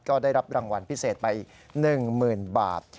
ก็ได้รับรางวัลพิเศษไป๑๐๐๐บาท